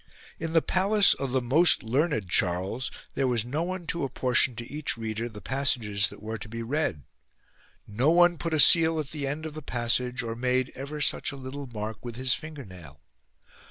In the palace of the most learned Charles there was no one to apportion to each reader the passages that were to be read ; no one put a seal at the end of the passage or made ever such a little mark with his finger nail.